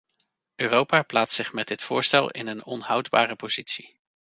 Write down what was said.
Europa plaatst zich met dit voorstel in een onhoudbare positie.